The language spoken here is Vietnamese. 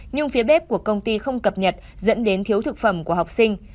nhưng phía bếp của công ty không cập nhật dẫn đến thiếu thực phẩm của học sinh